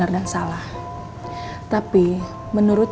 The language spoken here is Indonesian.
wangi ya kalau saya menanggung